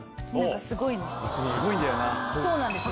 すごいんだよな。